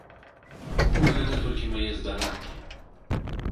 Пакуль гэта толькі мае здагадкі.